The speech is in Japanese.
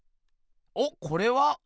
おっこれは？